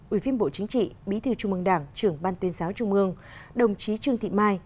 ubnd bí thư trung ương đảng trưởng ban tuyên giáo trung ương đồng chí trương thị mai